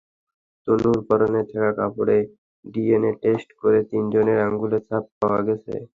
তনুর পরনে থাকা কাপড়ে ডিএনএ টেস্ট করে তিনজনের আঙুলের ছাপ পাওয়া গেছে।